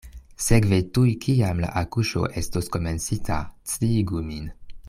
Sekve tuj kiam la akuŝo estos komencita, sciigu min.